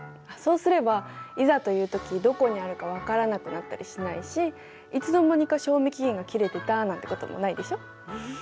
そうすればいざという時どこにあるか分からなくなったりしないしいつの間にか賞味期限が切れてたなんてこともないでしょ。